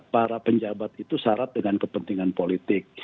para penjabat itu syarat dengan kepentingan politik